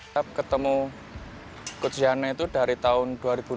saya ketemu coach yana itu dari tahun dua ribu lima belas